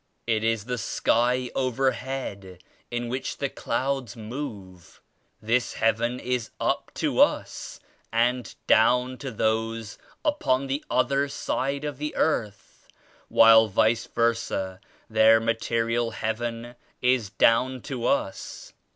It is the sky overhead in which the 26 clouds move. This heaven is *up' to us and * down' to those upon the other side of the earth, while vice versa their material heaven is *down' to us.